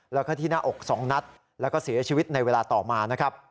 แล้วก็ที่หน้าอก๒นัดแล้วก็เสียชีวิตในเวลาต่อมานะครับ